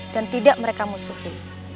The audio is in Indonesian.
dan tidak mereka musuhi